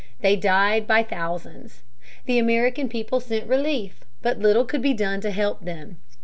They died by thousands. The American people sent relief, but little could be done to help them.